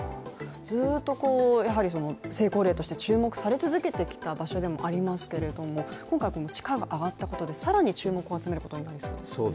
ずっとやはり成功例として注目され続けた場所でもありますけれども、今回、地価が上がったことで更に注目を集めることになりそうですね。